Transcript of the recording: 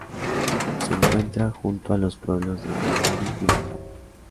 Se encuentra junto a los pueblos de Amaury y Barlow.